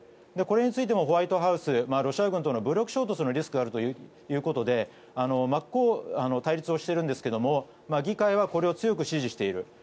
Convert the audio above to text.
これについてもホワイトハウスロシア軍との武力衝突のリスクがあるということで真っ向から対立をしているんですが議会はこれを強く支持している。